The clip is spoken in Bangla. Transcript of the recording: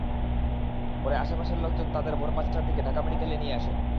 পরে আশপাশের লোকজন তাঁদের ভোর পাঁচটার দিকে ঢাকা মেডিকেলে নিয়ে আসেন।